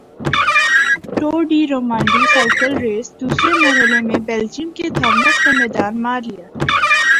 tour de Romandie cycle race دوسرے مرحلے میں بیلجیئم کے تھامس نے میدان مار لیا